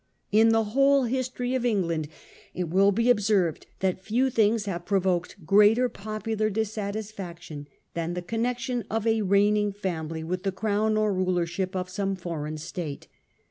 In the whole history of England it will be observed that few things have provoked greater popular dissatisfaction than the con nection of a reigning family with the crown or ruler ship of some foreign State.